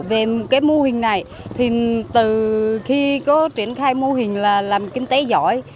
về mô hình này từ khi có triển khai mô hình làm kinh tế giỏi